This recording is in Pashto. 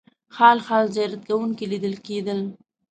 خال خال زیارت کوونکي لیدل کېدل.